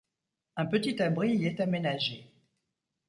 Un petit abri y est aménagé.